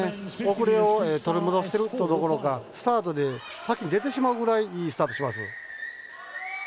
遅れを取り戻しているどころかスタートで先に出てしまうくらいいいスタートします。